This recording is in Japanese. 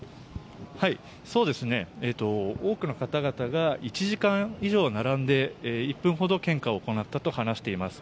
多くの方々が１時間以上並んで１分ほど献花を行ったと話しています。